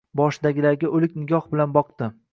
Boshidagilarga o‘lik nigoh bilan boqdi.